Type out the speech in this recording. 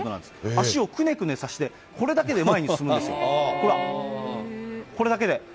足をくねくねさせて、これだけで前に進むんですよ、ほら、これだけで。